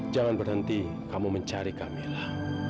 jangan berhenti kamu mencari kamilah